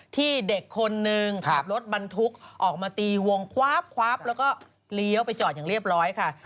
ที่เด็กคนนึงขับรถบรรทุกออกมาตีวงคว้าบแล้วก็เลี้ยวไปจอดอย่างเรียบร้อยค่ะ